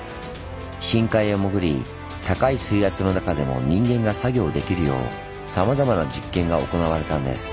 深海へ潜り高い水圧の中でも人間が作業できるようさまざまな実験が行われたんです。